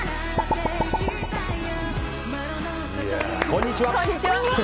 こんにちは。